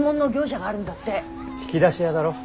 引き出し屋だろ？